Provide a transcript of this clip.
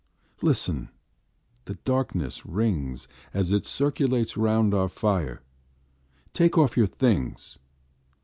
Listen, the darkness rings As it circulates round our fire. Take off your things.